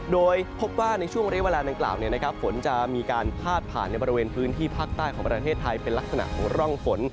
โดยพบว่าในช่วงเรียกเวลาดังกล่าวฝนจะมีการพาดผ่านในบริเวณพื้นที่ภาคใต้ของประเทศไทยเป็นลักษณะของร่องฝน